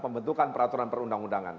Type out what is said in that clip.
pembentukan peraturan perundang undangan